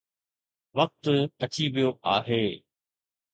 وقت اچي ويو آهي.